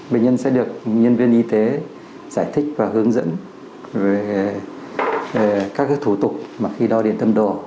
bệnh nhân sẽ được nhân viên y tế giải thích và hướng dẫn về các thủ tục mà khi đo điện tâm đồ